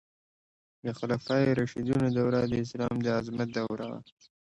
د خلفای راشدینو دوره د اسلام د عظمت دوره وه.